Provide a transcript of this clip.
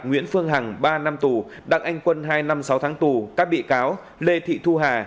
nguyễn phương hằng ba năm tù đặng anh quân hai năm sáu tháng tù các bị cáo lê thị thu hà